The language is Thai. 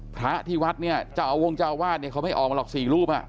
พระที่วัดจะเอาวงจาวาสเขาไม่ออกมาหรอก๔รูป